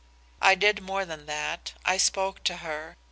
I did more than that, I spoke to her.